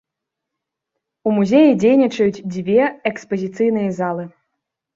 У музеі дзейнічаюць дзве экспазіцыйныя залы.